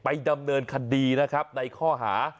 ดำเนินคดีนะครับในข้อหา